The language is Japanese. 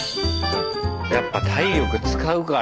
やっぱ体力使うから。